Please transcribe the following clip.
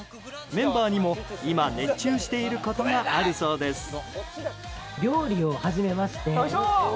メンバーにも今熱中していることがあるそうです。